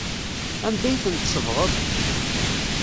Anda ay tent-tsebɣeḍ?